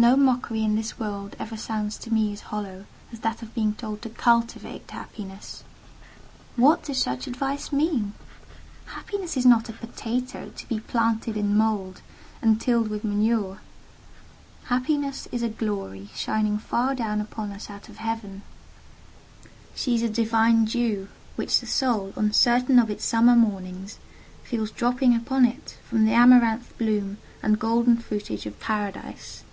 No mockery in this world ever sounds to me so hollow as that of being told to cultivate happiness. What does such advice mean? Happiness is not a potato, to be planted in mould, and tilled with manure. Happiness is a glory shining far down upon us out of Heaven. She is a divine dew which the soul, on certain of its summer mornings, feels dropping upon it from the amaranth bloom and golden fruitage of Paradise.